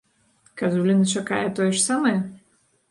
Казуліна чакае тое ж самае?